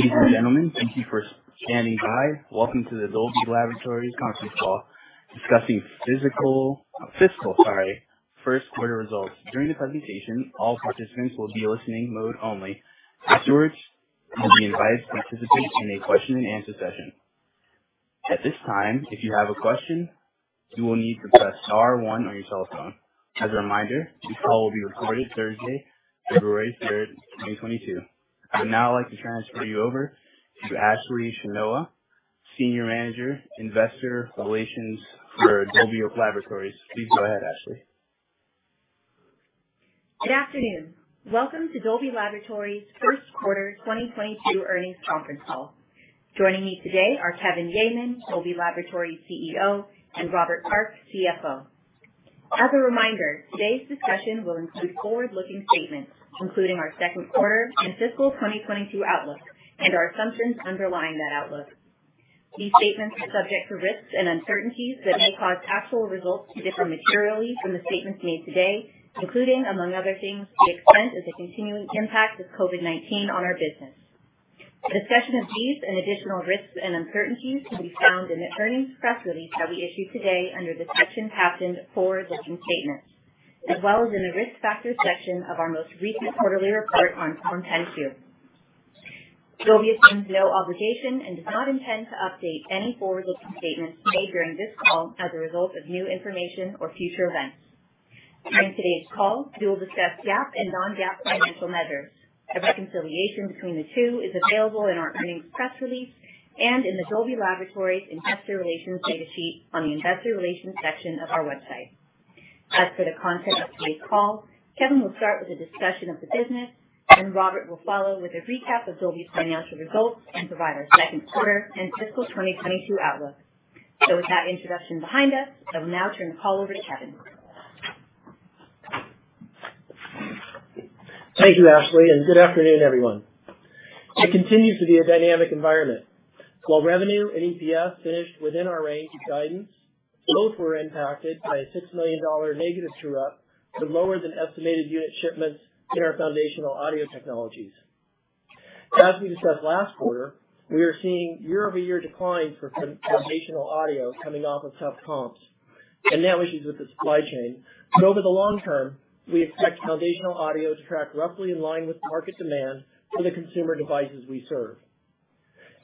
Ladies and gentlemen, thank you for standing by. Welcome to the Dolby Laboratories conference call discussing fiscal Q1 results. During the presentation, all participants will be in listening mode only. Afterwards, you will be invited to participate in a question-and-answer session. At this time, if you have a question, you will need to press star one on your telephone. As a reminder, this call will be recorded Thursday, February 3rd 2022. I'd now like to transfer you over to Ashley Schwenoha, Senior Manager, Investor Relations for Dolby Laboratories. Please go ahead, Ashley. Good afternoon. Welcome to Dolby Laboratories' Q1 2022 earnings conference call. Joining me today are Kevin Yeaman, Dolby Laboratories' CEO, and Robert Park, CFO. As a reminder, today's discussion will include forward-looking statements, including our second quarter and fiscal 2022 outlook and our assumptions underlying that outlook. These statements are subject to risks and uncertainties that may cause actual results to differ materially from the statements made today, including, among other things, the extent of the continuing impact of COVID-19 on our business. Discussion of these and additional risks and uncertainties can be found in the earnings press release that we issued today under the section captioned Forward-Looking Statements, as well as in the Risk Factors section of our most recent quarterly report on Form 10-Q. Dolby assumes no obligation and does not intend to update any forward-looking statements made during this call as a result of new information or future events. During today's call, we will discuss GAAP and non-GAAP financial measures. A reconciliation between the two is available in our earnings press release and in the Dolby Laboratories Investor Relations data sheet on the Investor Relations section of our website. As for the content of today's call, Kevin will start with a discussion of the business, and then Robert will follow with a recap of Dolby's financial results and provide our second quarter and fiscal 2022 outlook. With that introduction behind us, I will now turn the call over to Kevin. Thank you, Ashley, and good afternoon, everyone. It continues to be a dynamic environment. While revenue and EPS finished within our range of guidance, both were impacted by a $6 million negative true-up to lower than estimated unit shipments in our foundational audio technologies. As we discussed last quarter, we are seeing year-over-year declines for foundational audio coming off of tough comps and now issues with the supply chain. Over the long term, we expect foundational audio to track roughly in line with market demand for the consumer devices we serve.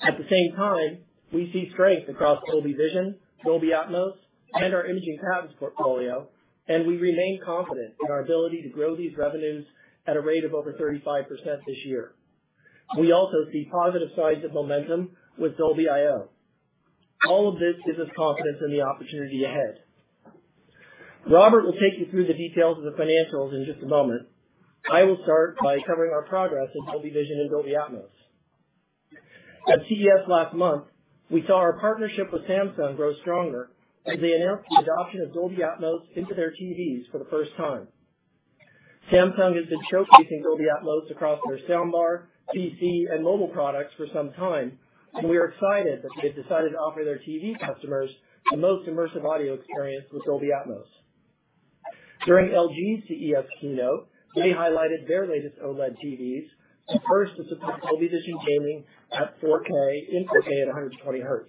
At the same time, we see strength across Dolby Vision, Dolby Atmos, and our imaging patents portfolio, and we remain confident in our ability to grow these revenues at a rate of over 35% this year. We also see positive signs of momentum with Dolby.io. All of this gives us confidence in the opportunity ahead. Robert will take you through the details of the financials in just a moment. I will start by covering our progress in Dolby Vision and Dolby Atmos. At CES last month, we saw our partnership with Samsung grow stronger as they announced the adoption of Dolby Atmos into their TVs for the first time. Samsung has been showcasing Dolby Atmos across their soundbar, PC, and mobile products for some time, and we are excited that they have decided to offer their TV customers the most immersive audio experience with Dolby Atmos. During LG's CES keynote, they highlighted their latest OLED TVs, the first to support Dolby Vision gaming at 4K at 120 Hz.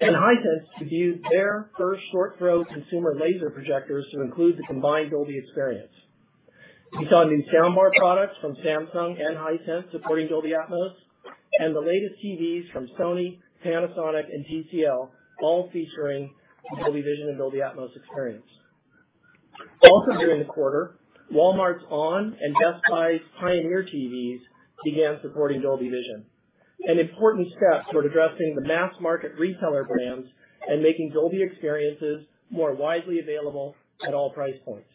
Hisense debuted their first short-throw consumer laser projectors to include the combined Dolby experience. We saw new soundbar products from Samsung and Hisense supporting Dolby Atmos, and the latest TVs from Sony, Panasonic, and TCL, all featuring the Dolby Vision and Dolby Atmos experience. Also during the quarter, Walmart's Onn and Best Buy's Pioneer TVs began supporting Dolby Vision, an important step toward addressing the mass market retailer brands and making Dolby experiences more widely available at all price points.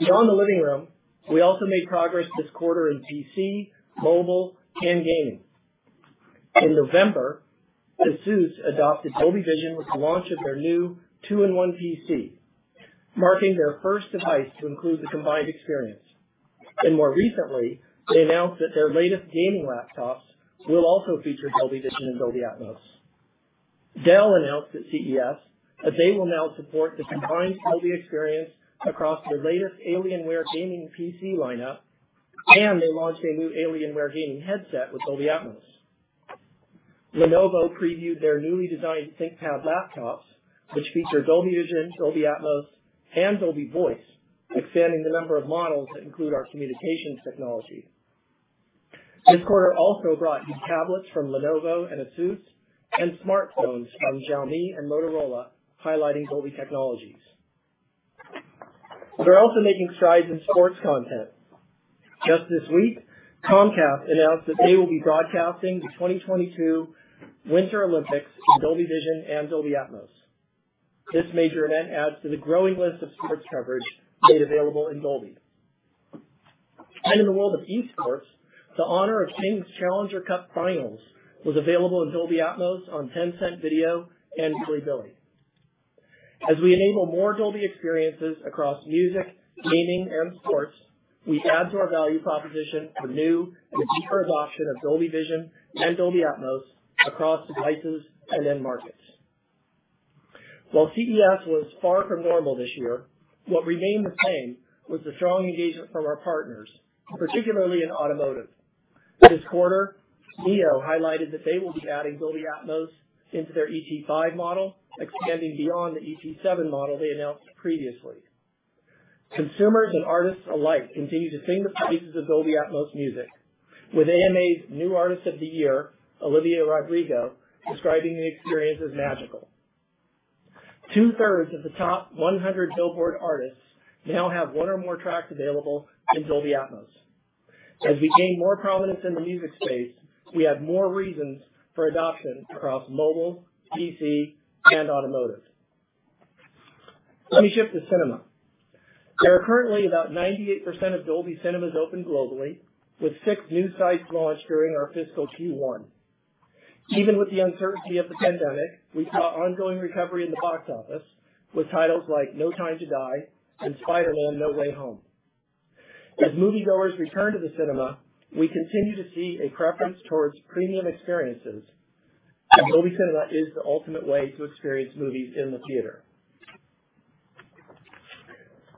Beyond the living room, we also made progress this quarter in PC, mobile, and gaming. In November, ASUS adopted Dolby Vision with the launch of their new two-in-one PC, marking their first device to include the combined experience. More recently, they announced that their latest gaming laptops will also feature Dolby Vision and Dolby Atmos. Dell announced at CES that they will now support the combined Dolby experience across their latest Alienware gaming PC lineup, and they launched a new Alienware gaming headset with Dolby Atmos. Lenovo previewed their newly designed ThinkPad laptops, which feature Dolby Vision, Dolby Atmos, and Dolby Voice, expanding the number of models that include our communications technology. This quarter also brought new tablets from Lenovo and ASUS and smartphones from Xiaomi and Motorola, highlighting Dolby technologies. We're also making strides in sports content. Just this week, Comcast announced that they will be broadcasting the 2022 Winter Olympics in Dolby Vision and Dolby Atmos. This major event adds to the growing list of sports coverage made available in Dolby. In the world of esports, the Honor of Kings Challenger Cup Finals was available in Dolby Atmos on Tencent Video and Bilibili. As we enable more Dolby experiences across music, gaming, and sports, we add to our value proposition for new and deeper adoption of Dolby Vision and Dolby Atmos across devices and end markets. While CES was far from normal this year, what remained the same was the strong engagement from our partners, particularly in automotive. This quarter, NIO highlighted that they will be adding Dolby Atmos into their ET5 model, expanding beyond the ET7 model they announced previously. Consumers and artists alike continue to sing the praises of Dolby Atmos music, with AMA's new artist of the year, Olivia Rodrigo, describing the experience as magical. Two-thirds of the top 100 Billboard artists now have one or more tracks available in Dolby Atmos. As we gain more prominence in the music space, we have more reasons for adoption across mobile, PC, and automotive. Let me shift to cinema. There are currently about 98% of Dolby Cinemas open globally, with six new sites launched during our fiscal Q1. Even with the uncertainty of the pandemic, we saw ongoing recovery in the box office with titles like No Time to Die and Spider-Man: No Way Home. As moviegoers return to the cinema, we continue to see a preference towards premium experiences, and Dolby Cinema is the ultimate way to experience movies in the theater.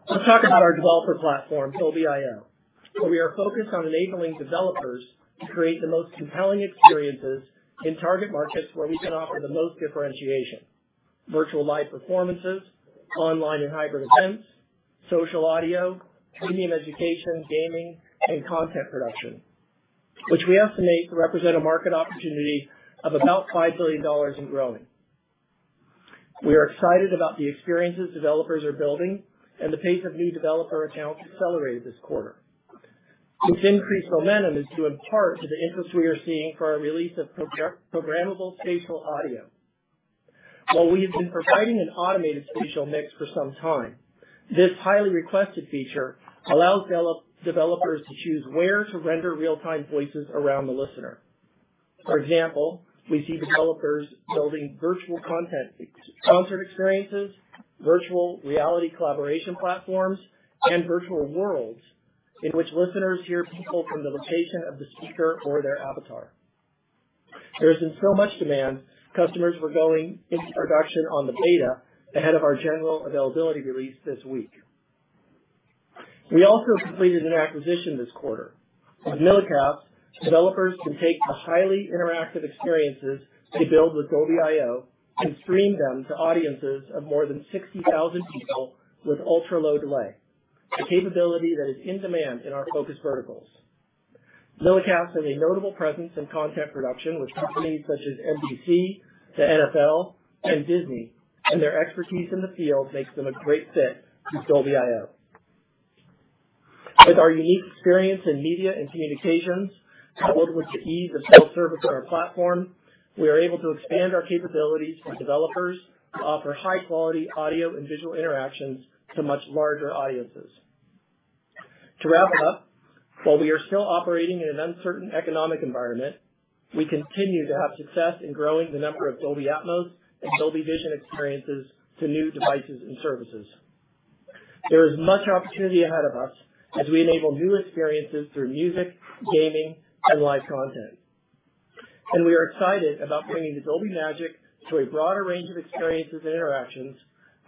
Let's talk about our developer platform, Dolby.io, where we are focused on enabling developers to create the most compelling experiences in target markets where we can offer the most differentiation, virtual live performances, online and hybrid events, social audio, premium education, gaming, and content production, which we estimate to represent a market opportunity of about $5 billion and growing. We are excited about the experiences developers are building, and the pace of new developer accounts accelerated this quarter. This increased momentum is due in part to the interest we are seeing for our release of programmable spatial audio. While we have been providing an automated spatial mix for some time, this highly requested feature allows developers to choose where to render real-time voices around the listener. For example, we see developers building virtual concert experiences, virtual reality collaboration platforms, and virtual worlds in which listeners hear people from the location of the speaker or their avatar. There has been so much demand, customers were going into production on the beta ahead of our general availability release this week. We also completed an acquisition this quarter. With Millicast, developers can take the highly interactive experiences they build with Dolby.io and stream them to audiences of more than 60,000 people with ultra-low delay. A capability that is in demand in our focus verticals. Millicast has a notable presence in content production with companies such as NBC, the NFL, and Disney. Their expertise in the field makes them a great fit for Dolby.io. With our unique experience in media and communications, coupled with the ease of self-service on our platform, we are able to expand our capabilities to developers to offer high quality audio and visual interactions to much larger audiences. To wrap it up, while we are still operating in an uncertain economic environment, we continue to have success in growing the number of Dolby Atmos and Dolby Vision experiences to new devices and services. There is much opportunity ahead of us as we enable new experiences through music, gaming, and live content. We are excited about bringing the Dolby magic to a broader range of experiences and interactions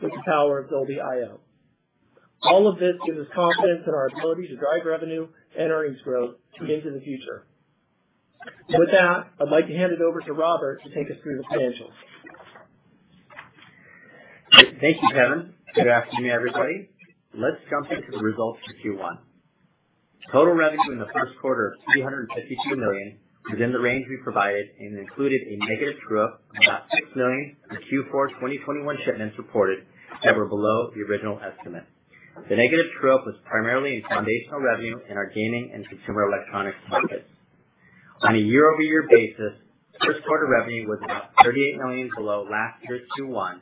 with the power of Dolby.io. All of this gives us confidence in our ability to drive revenue and earnings growth deep into the future. With that, I'd like to hand it over to Robert to take us through the financials. Thank you, Kevin. Good afternoon, everybody. Let's jump into the results for Q1. Total revenue in the first quarter of $352 million was in the range we provided and included a negative true-up of about $6 million for Q4 2021 shipments reported that were below the original estimate. The negative true-up was primarily in foundational revenue in our gaming and consumer electronics markets. On a year-over-year basis, first quarter revenue was about $38 million below last year's Q1,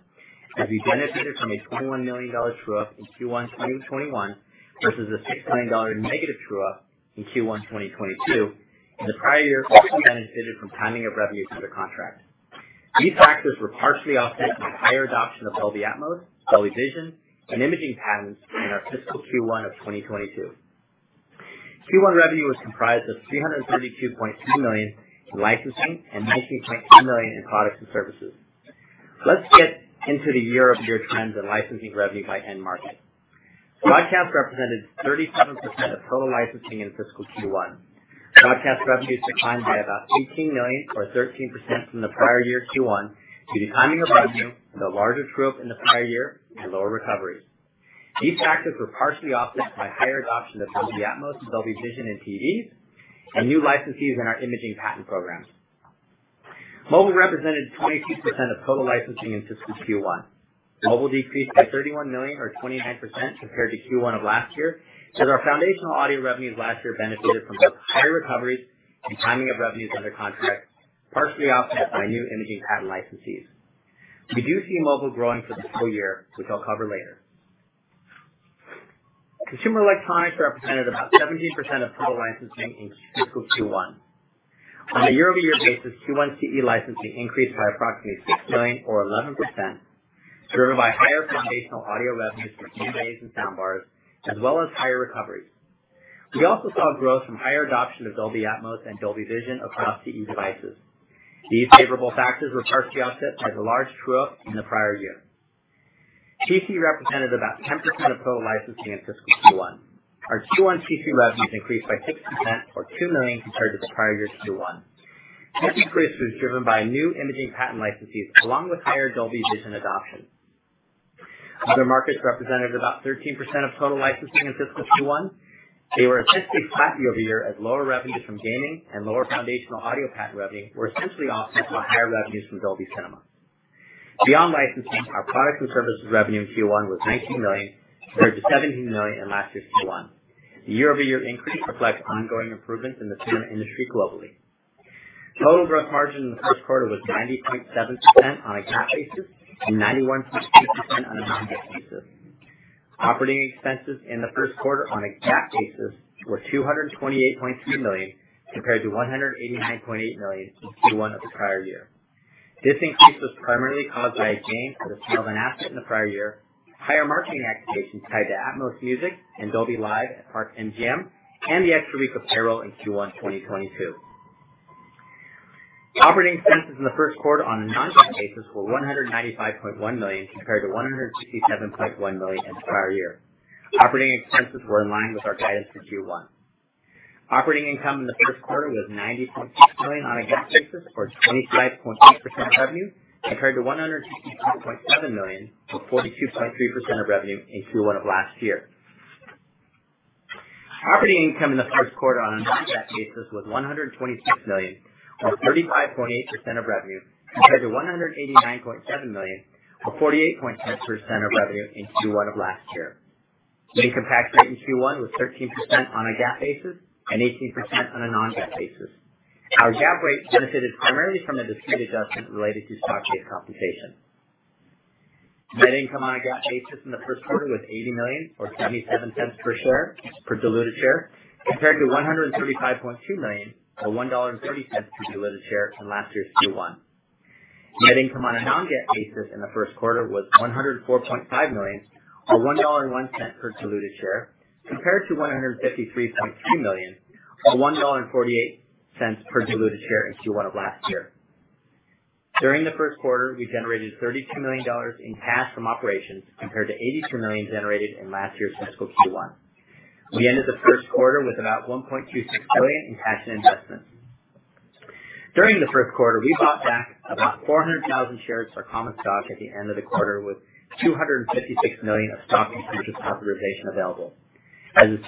as we benefited from a $21 million true-up in Q1 2021, versus the $6 million negative true-up in Q1 2022. In the prior year, we also benefited from timing of revenue under contract. These factors were partially offset by higher adoption of Dolby Atmos, Dolby Vision, and imaging patents in our fiscal Q1 of 2022. Q1 revenue was comprised of $332.2 million in licensing and $19.2 million in products and services. Let's get into the year-over-year trends in licensing revenue by end market. Broadcast represented 37% of total licensing in fiscal Q1. Broadcast revenues declined by about $18 million or 13% from the prior year Q1 due to timing of revenue, the larger true-up in the prior year, and lower recoveries. These factors were partially offset by higher adoption of Dolby Atmos and Dolby Vision in TVs and new licensees in our imaging patent program. Mobile represented 22% of total licensing in fiscal Q1. Mobile decreased by $31 million or 29% compared to Q1 of last year, as our foundational audio revenues last year benefited from both higher recoveries and timing of revenues under contract, partially offset by new imaging patent licensees. We do see mobile growing for the full year, which I'll cover later. Consumer electronics represented about 17% of total licensing in fiscal Q1. On a year-over-year basis, Q1 CE licensing increased by approximately $6 million or 11%, driven by higher foundational audio revenues from TVs and sound bars, as well as higher recoveries. We also saw growth from higher adoption of Dolby Atmos and Dolby Vision across CE devices. These favorable factors were partially offset by the large through in the prior year. TC represented about 10% of total licensing in fiscal Q1. Our Q1 TC revenues increased by 60% or $2 million compared to the prior year's Q1. This increase was driven by new imaging patent licensees along with higher Dolby Vision adoption. Other markets represented about 13% of total licensing in fiscal Q1. They were essentially flat year-over-year as lower revenue from gaming and lower foundational audio patent revenue were essentially offset by higher revenues from Dolby Cinema. Beyond licensing, our products and services revenue in Q1 was $19 million compared to $17 million in last year's Q1. The year-over-year increase reflects ongoing improvements in the cinema industry globally. Total gross margin in the first quarter was 90.7% on a GAAP basis and 91.3% on a non-GAAP basis. Operating expenses in the first quarter on a GAAP basis were $228.3 million, compared to $189.8 million in Q1 of the prior year. This increase was primarily caused by a gain for the sale of an asset in the prior year, higher marketing activations tied to Atmos Music and Dolby Live at Park MGM, and the extra week of payroll in Q1 2022. Operating expenses in the first quarter on a non-GAAP basis were $195.1 million, compared to $167.1 million in the prior year. Operating expenses were in line with our guidance for Q1. Operating income in the first quarter was $90.6 million on a GAAP basis, or 25.8% of revenue, compared to $162.7 million, or 42.3% of revenue in Q1 of last year. Operating income in the first quarter on a non-GAAP basis was $126 million, or 35.8% of revenue, compared to $189.7 million or 48.6% of revenue in Q1 of last year. The income tax rate in Q1 was 13% on a GAAP basis and 18% on a non-GAAP basis. Our GAAP rate benefited primarily from a discrete adjustment related to stock-based compensation. Net income on a GAAP basis in the first quarter was $80 million or $0.77 per share, per diluted share, compared to $135.2 million or $1.30 per diluted share from last year's Q1. Net income on a non-GAAP basis in the first quarter was $104.5 million or $1.01 per diluted share, compared to $153.2 million or $1.48 per diluted share in Q1 of last year. During the Q1, we generated $32 million in cash from operations, compared to $82 million generated in last year's fiscal Q1. We ended the Q1 with about $1.26 billion in cash and investments. During the Q1, we bought back about 400,000 shares of our common stock at the end of the quarter with $256 million of stock repurchase authorization available. As is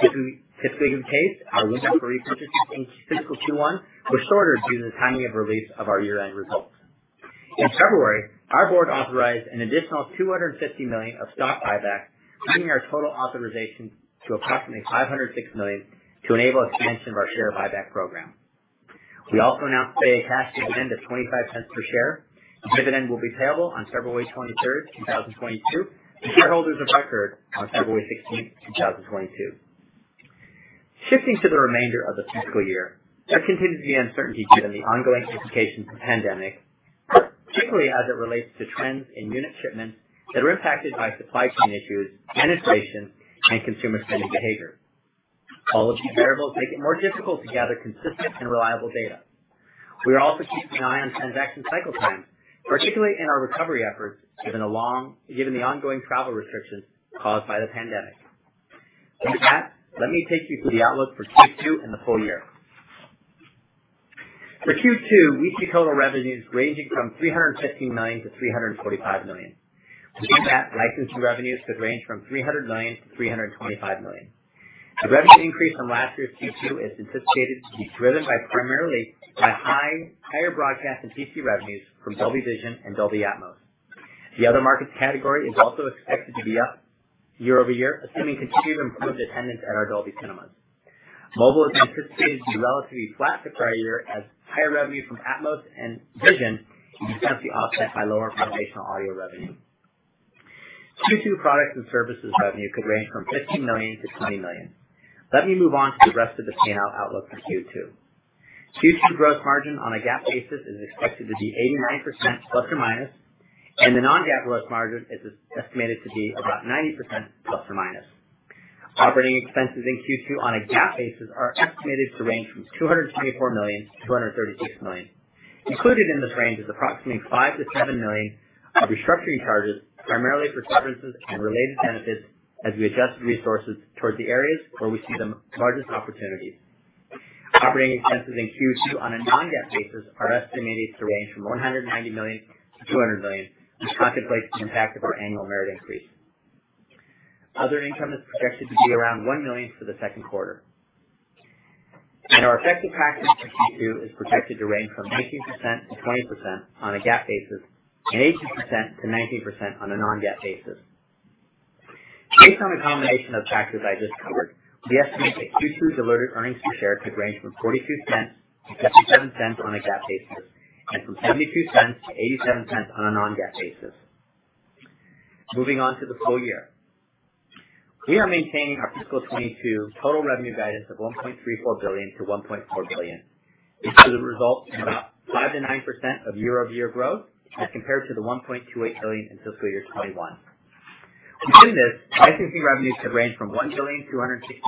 typically the case, our window for repurchases in fiscal Q1 were shorter due to the timing of release of our year-end results. In February, our board authorized an additional $250 million of stock buyback, bringing our total authorization to approximately $506 million to enable expansion of our share buyback program. We also announced today a cash dividend of $0.25 per share. The dividend will be payable on February 23rd 2022 to shareholders of record on February 16th 2022. Shifting to the remainder of the fiscal year, there continues to be uncertainty due to the ongoing implications of the pandemic, particularly as it relates to trends in unit shipments that are impacted by supply chain issues, inflation, and consumer spending behavior. All of these variables make it more difficult to gather consistent and reliable data. We are also keeping an eye on transaction cycle times, particularly in our recovery efforts, given the ongoing travel restrictions caused by the pandemic. With that, let me take you to the outlook for Q2 and the full year. For Q2, we see total revenues ranging from $315 million-$345 million. We think that licensing revenues could range from $300 million-$325 million. The revenue increase from last year's Q2 is anticipated to be driven primarily by higher broadcast and TC revenues from Dolby Vision and Dolby Atmos. The other markets category is also expected to be up year over year, assuming continued improved attendance at our Dolby cinemas. Mobile is anticipated to be relatively flat to prior year as higher revenue from Atmos and Vision is substantially offset by lower foundational audio revenue. Q2 products and services revenue could range from $15 million-$20 million. Let me move on to the rest of the P&L outlook for Q2. Q2 gross margin on a GAAP basis is expected to be 89% ±, and the non-GAAP gross margin is estimated to be about 90% ±. Operating expenses in Q2 on a GAAP basis are estimated to range from $224 million-$236 million. Included in this range is approximately $5 million-$7 million of restructuring charges, primarily for severances and related benefits, as we adjust resources towards the areas where we see the largest opportunities. Operating expenses in Q2 on a non-GAAP basis are estimated to range from $190 million-$200 million, which contemplates the impact of our annual merit increase. Other income is projected to be around $1 million for the second quarter. Our effective tax rate for Q2 is projected to range from 19%-20% on a GAAP basis and 18%-19% on a non-GAAP basis. Based on the combination of factors I just covered, we estimate that Q2 diluted earnings per share could range from $0.42-$0.57 on a GAAP basis and from $0.72-$0.87 on a non-GAAP basis. Moving on to the full year. We are maintaining our FY 2022 total revenue guidance of $1.34 billion-$1.4 billion. This should result in about 5%-9% year-over-year growth as compared to the $1.28 billion in fiscal year 2021. Within this, licensing revenues could range from $1.26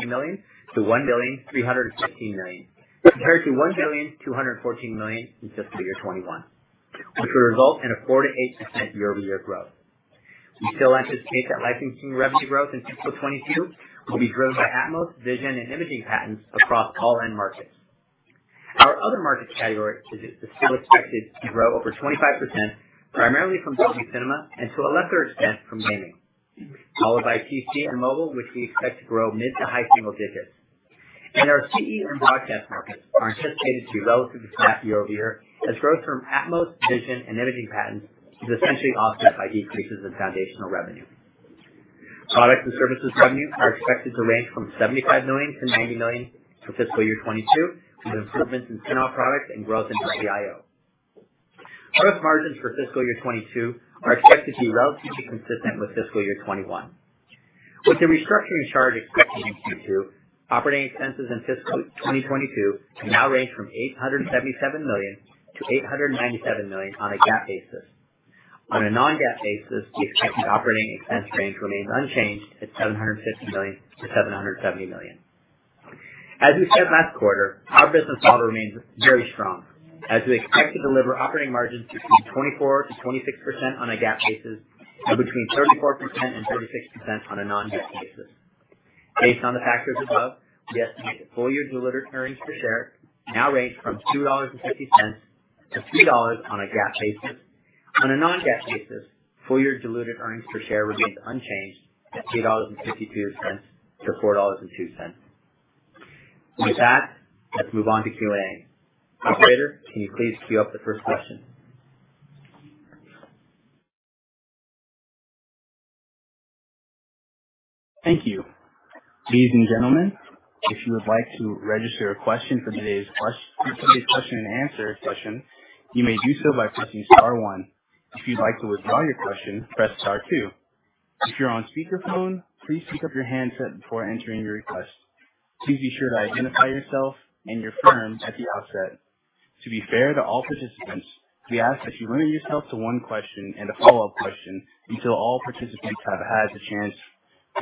billion to $1.36 billion, compared to $1.214 billion in fiscal year 2021, which will result in a 4%-8% year-over-year growth. We still anticipate that licensing revenue growth in fiscal 2022 will be driven by Atmos, Vision and Imaging patents across all end markets. Our other markets category is still expected to grow over 25%, primarily from Dolby Cinema and to a lesser extent from gaming. Followed by TC and mobile, which we expect to grow mid- to high-single-digits. Our CE and broadcast markets are anticipated to be relatively flat year over year as growth from Atmos, Vision and Imaging patents is essentially offset by decreases in foundational revenue. Products and services revenue are expected to range from $75 million-$90 million for fiscal 2022, due to improvements in Cinema products and growth in Dolby.io. Gross margins for fiscal 2022 are expected to be relatively consistent with fiscal 2021. With the restructuring charge expected in Q2, operating expenses in fiscal 2022 now range from $877 million-$897 million on a GAAP basis. On a non-GAAP basis, the expected operating expense range remains unchanged at $750 million-$770 million. As we said last quarter, our business model remains very strong as we expect to deliver operating margins between 24%-26% on a GAAP basis, and between 34%-36% on a non-GAAP basis. Based on the factors above, we estimate that full year diluted earnings per share now range from $2.50 to $3.00 on a GAAP basis. On a non-GAAP basis, full year diluted earnings per share remains unchanged at $2.52 to $4.02. With that, let's move on to Q&A. Operator, can you please queue up the first question? Thank you. Ladies and gentlemen, if you would like to register a question for today's question and answer session, you may do so by pressing star one. If you'd like to withdraw your question, press star two. If you're on speakerphone, please pick up your handset before entering your request. Please be sure to identify yourself and your firm at the outset. To be fair to all participants, we ask that you limit yourself to one question and a follow-up question until all participants have had a chance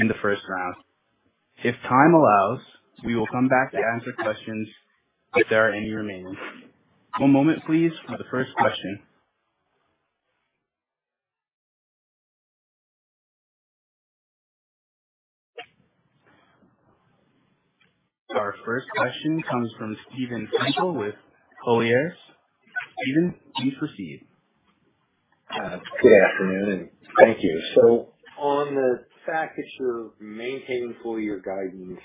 in the first round. If time allows, we will come back to answer questions if there are any remaining. One moment, please, for the first question. Our first question comes from Steven Frankel with Colliers. Steven, you may proceed. Good afternoon, and thank you. On the fact that you're maintaining full year guidance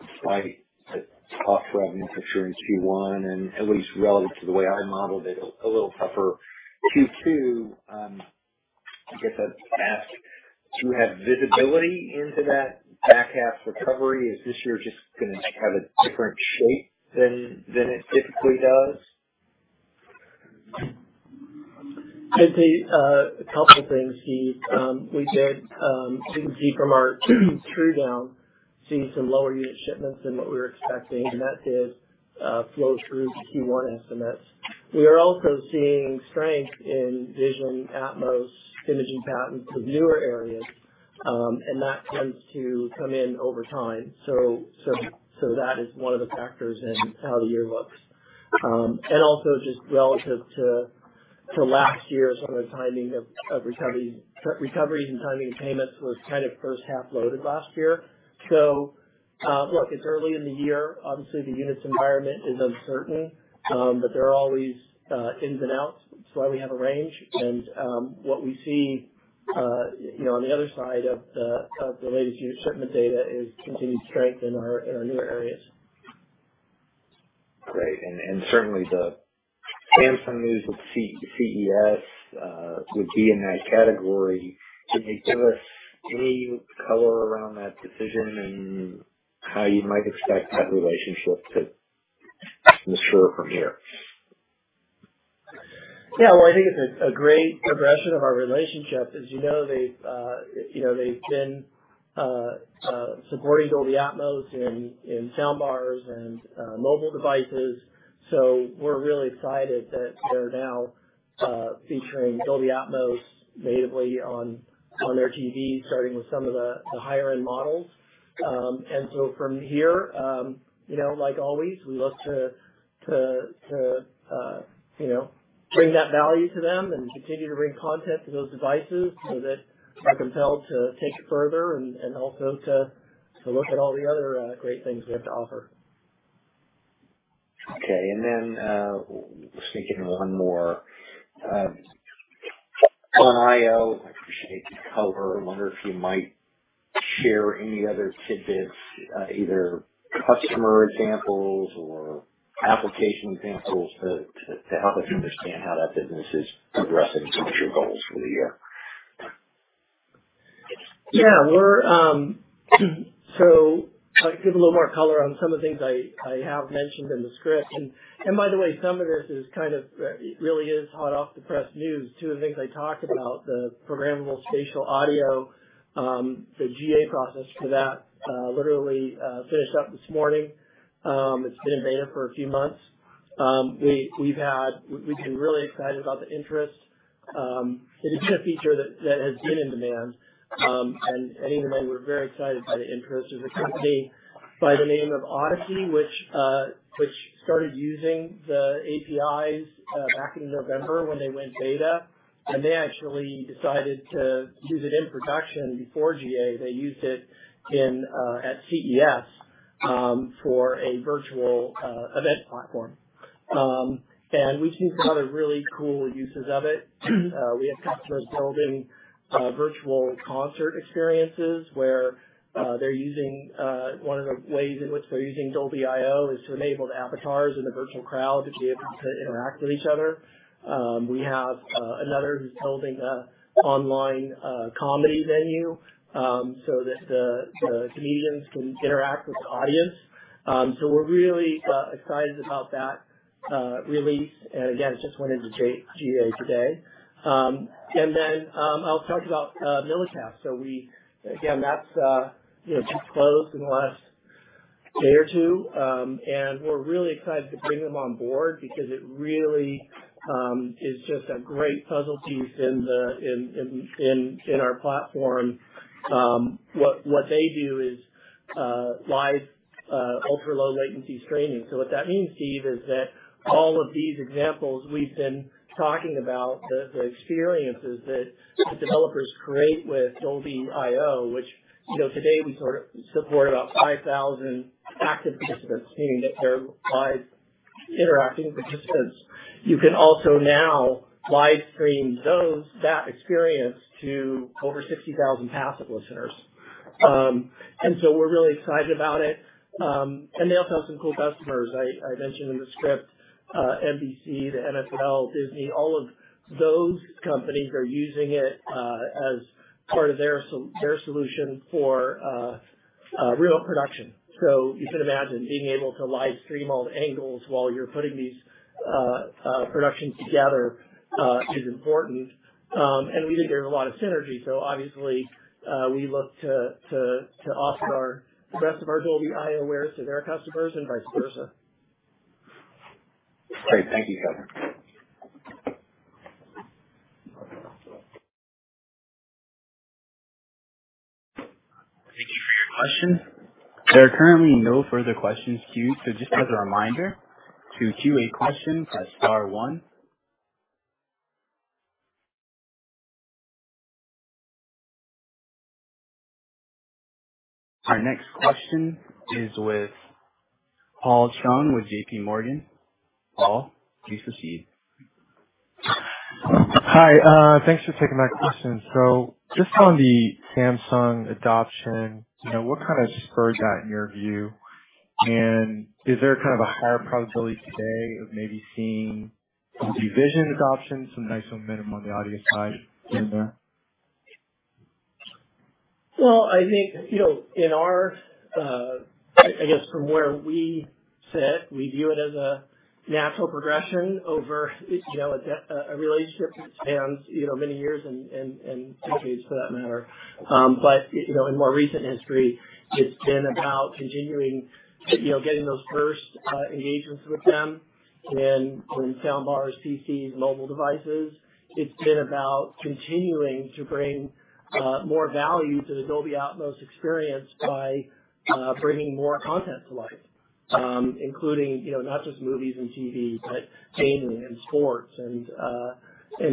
despite a softer revenue picture in Q1 and at least relative to the way I modeled it, a little tougher Q2, I guess I'd ask, do you have visibility into that back half recovery? Is this year just gonna have a different shape than it typically does? I'd say a couple things, Steve. Indeed, you can see from our rundown seeing some lower unit shipments than what we were expecting, and that did flow through to Q1 estimates. We are also seeing strength in Dolby Vision, Dolby Atmos, Imaging patents with newer areas, and that tends to come in over time. That is one of the factors in how the year looks. Also just relative to last year, some of the timing of recoveries and timing of payments was kind of first-half loaded last year. Look, it's early in the year. Obviously, the units environment is uncertain, but there are always ins and outs. That's why we have a range. What we see, you know, on the other side of the latest unit shipment data is continued strength in our newer areas. Great. Certainly the Samsung news with CES would be in that category. Can you give us any color around that decision and how you might expect that relationship to mature from here? Yeah, well, I think it's a great progression of our relationship. As you know, they've been supporting Dolby Atmos in sound bars and mobile devices. We're really excited that they're now featuring Dolby Atmos natively on their TVs, starting with some of the higher end models. From here, you know, like always, we look to bring that value to them and continue to bring content to those devices so they're compelled to take it further and also to look at all the other great things we have to offer. Okay. Stick in one more. On Dolby.io, I appreciate the color. I wonder if you might share any other tidbits, either customer examples or application examples to help us understand how that business is progressing towards your goals for the year. Yeah, we're. I'll give a little more color on some of the things I have mentioned in the script. By the way, it really is hot off the press news. Two of the things I talked about, the programmable spatial audio, the GA process for that, literally finished up this morning. It's been in beta for a few months. We've been really excited about the interest. It has been a feature that has been in demand. I think the way we're very excited by the interest is a company by the name of Audacy, which started using the APIs back in November when they went beta, and they actually decided to use it in production before GA. They used it at CES for a virtual event platform. We've seen some other really cool uses of it. We have customers building virtual concert experiences where they're using one of the ways in which they're using Dolby.io is to enable the avatars and the virtual crowd to be able to interact with each other. We have another who's building an online comedy venue so that the comedians can interact with the audience. We're really excited about that release. Again, it just went into GA today. I'll talk about Millicast. Again, that's just closed in the last day or two. We're really excited to bring them on board because it really is just a great puzzle piece in our platform. What they do is live ultra-low-latency streaming. What that means, Steve, is that all of these examples we've been talking about, the experiences that the developers create with Dolby.io, which you know today we sort of support about 5,000 active participants meaning that they're live interacting participants. You can also now live stream those, that experience to over 60,000 passive listeners. We're really excited about it. They also have some cool customers. I mentioned in the script, NBC, the NFL, Disney, all of those companies are using it as part of their solution for real production. You can imagine being able to live stream all the angles while you're putting these productions together is important. We think there's a lot of synergy. Obviously, we look to offer our rest of our Dolby.io awareness to their customers and vice versa. Great. Thank you, Kevin. Thank you for your question. There are currently no further questions queued. Just as a reminder, to queue a question, press star one. Our next question is with Paul Chung with JP Morgan. Paul, please proceed. Hi. Thanks for taking my question. Just on the Samsung adoption, you know, what kind of spurred that in your view? Is there kind of a higher probability today of maybe seeing some division adoption, some nice momentum on the audio side in there? Well, I think, you know, in our, I guess from where we sit, we view it as a natural progression over, you know, a relationship that spans, you know, many years and decades for that matter. But, you know, in more recent history, it's been about continuing, you know, getting those first engagements with them in sound bars, PCs, mobile devices. It's been about continuing to bring more value to the Dolby Atmos experience by bringing more content to life, including, you know, not just movies and TV, but gaming and sports and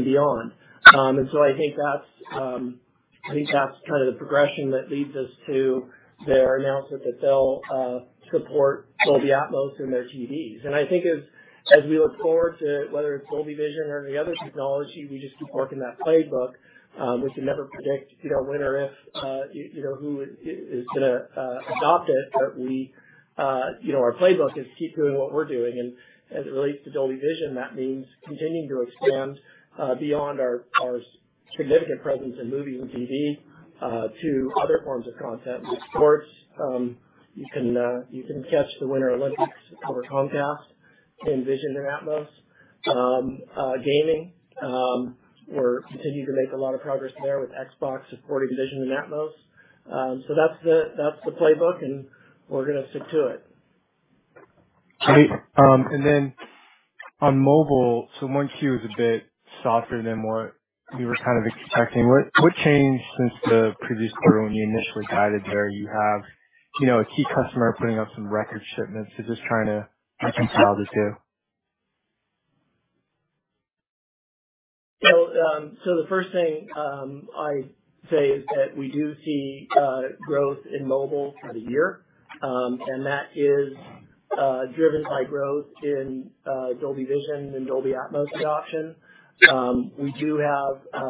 beyond. I think that's kind of the progression that leads us to their announcement that they'll support Dolby Atmos in their TVs. I think as we look forward to whether it's Dolby Vision or any other technology, we just keep working that playbook. We can never predict, you know, when or if you know who is gonna adopt it. We, you know, our playbook is to keep doing what we're doing. As it relates to Dolby Vision, that means continuing to expand beyond our significant presence in movie and TV to other forms of content, with sports, you can catch the Winter Olympics over Comcast in Vision and Atmos. Gaming, we're continuing to make a lot of progress there with Xbox supporting Vision and Atmos. That's the playbook, and we're gonna stick to it. Great. On mobile, one Q is a bit softer than what we were kind of expecting. What changed since the previous quarter when you initially guided there? You have, you know, a key customer putting up some record shipments. Just trying to reconcile the two. The first thing I say is that we do see growth in mobile for the year. That is driven by growth in Dolby Vision and Dolby Atmos adoption. We do have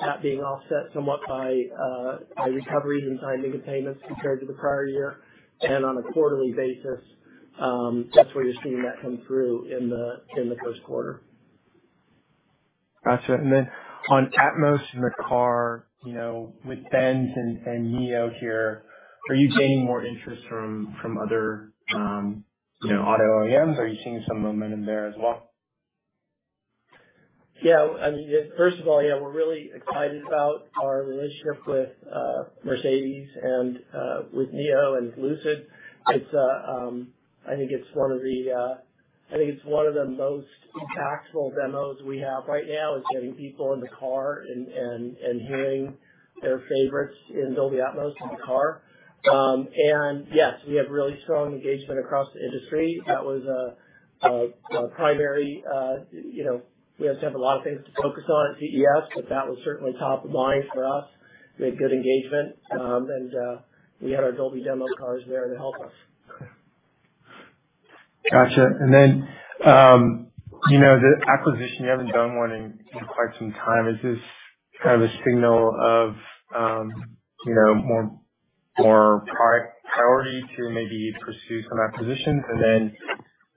that being offset somewhat by recoveries in timing of payments compared to the prior year. On a quarterly basis, that's where you're seeing that come through in the first quarter. Gotcha. On Atmos in the car, you know, with Mercedes-Benz and NIO here, are you gaining more interest from other, you know, auto OEMs? Are you seeing some momentum there as well? Yeah. I mean, first of all, yeah, we're really excited about our relationship with Mercedes and with NIO and Lucid. I think it's one of the most impactful demos we have right now, getting people in the car and hearing their favorites in Dolby Atmos in the car. Yes, we have really strong engagement across the industry. That was a primary, you know, we obviously have a lot of things to focus on at CES, but that was certainly top of mind for us. We had good engagement and we had our Dolby demo cars there to help us. Gotcha. You know, the acquisition, you haven't done one in quite some time. Is this kind of a signal of you know, more priority to maybe pursue some acquisitions?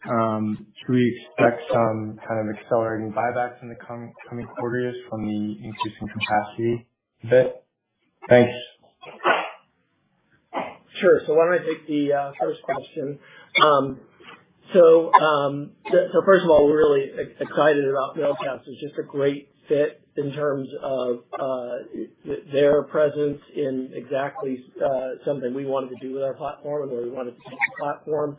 Should we expect some kind of accelerating buybacks in the coming quarters from the increasing capacity a bit? Thanks. Why don't I take the first question. First of all, we're really excited about Millicast. It's just a great fit in terms of their presence in exactly something we wanted to do with our platform and where we wanted to take the platform.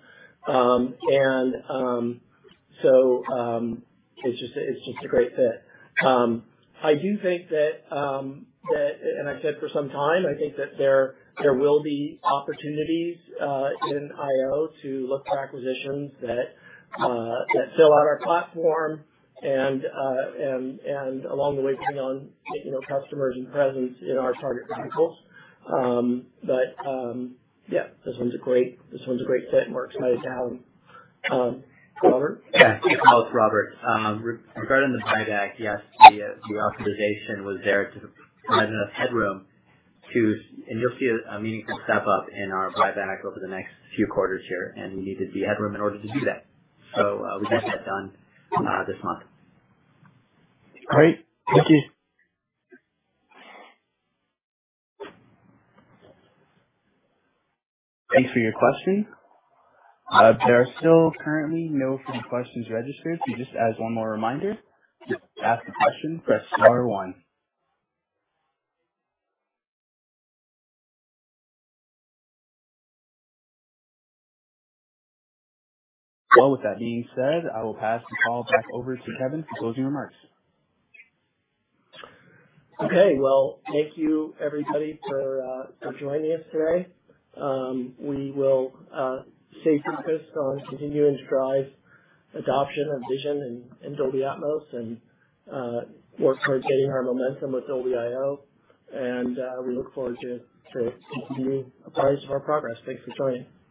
It's just a great fit. I do think that, and I've said for some time, I think that there will be opportunities in Dolby.io to look for acquisitions that fill out our platform and along the way bring on, you know, customers and presence in our target verticals. Yeah, this one's a great fit and we're excited to have them. Robert? Yeah. It's Robert. Regarding the buyback, yes, the authorization was there to provide enough headroom. You'll see a meaningful step up in our buyback over the next few quarters here, and we needed the headroom in order to do that. We got that done this month. Great. Thank you. Thanks for your question. There are still currently no further questions registered. Just as one more reminder, to ask a question, press star one. Well, with that being said, I will pass the call back over to Kevin for closing remarks. Okay. Well, thank you everybody for joining us today. We will stay focused on continuing to drive adoption of Vision and Dolby Atmos and work towards gaining our momentum with Dolby.io. We look forward to continuing to update you on our progress. Thanks for joining.